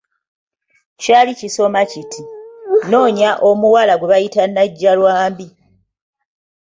Kyali kisoma kiti; "Nnoonya omuwala gwe bayita Najjalwambi"